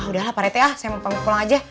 ah udahlah pak rete ah saya mau pulang aja